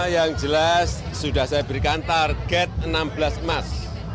yang jelas sudah saya berikan target enam belas emas